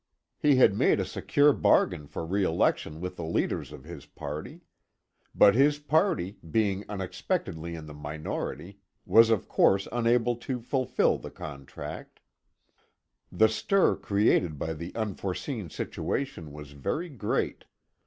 He had made a secure bargain for re election with the leaders of his party. But his party, being unexpectedly in the minority, was of course, unable to fulfil the contract. The stir created by the unforeseen situation was very great.